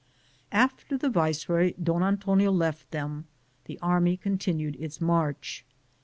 After the viceroy Don Antonio left them, the army continued its march.